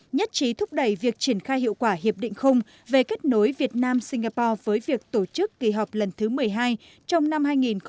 nhất trí thúc đẩy việc triển khai hiệu quả hiệp định khung về kết nối việt nam singapore với việc tổ chức kỳ họp lần thứ một mươi hai trong năm hai nghìn một mươi chín